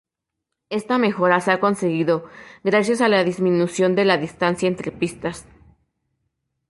Esta mejora se ha conseguido gracias a la disminución de la distancia entre pistas.